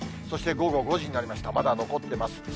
そして午後５時になりました、まだ残ってます。